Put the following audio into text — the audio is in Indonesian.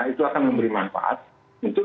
itu akan memberi manfaat untuk